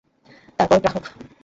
তার পর গ্রাহক যোগাড়ই মুশকিল।